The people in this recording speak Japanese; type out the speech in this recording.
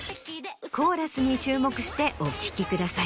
コーラスに注目してお聴きください。